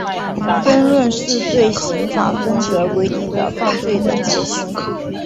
分论是对刑法分则规定的犯罪的解析。